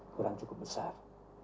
kurang cukup besar